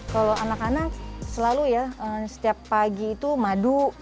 kalau anak anak selalu ya setiap pagi itu madu